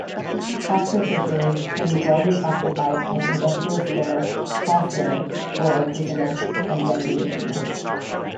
Capture fisheries can be broadly classified as industrial scale, small-scale or artisanal, and recreational.